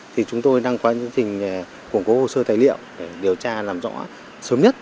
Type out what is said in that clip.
thì chúng tôi đang có chương trình củng cố hồ sơ tài liệu để điều tra làm rõ sớm nhất